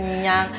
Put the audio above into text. masa sih kenyang